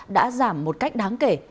đã giảm một cách đáng kể